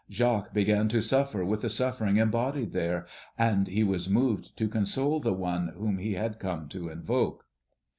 Jacques began to suffer with the suffering embodied there, and he was moved to console the One whom he had come to invoke.